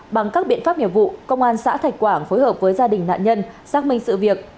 bằng các biện pháp nghiệp vụ công an xã thạch quảng phối hợp với gia đình nạn nhân xác minh sự việc